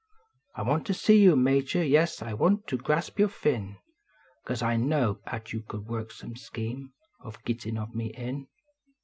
1 want to see you, Major, yes, I want to grasp your fin. Cause 1 know at you could work some scheme Of gittin of me in.